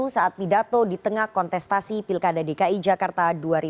saat pidato di tengah kontestasi pilkada dki jakarta dua ribu tujuh belas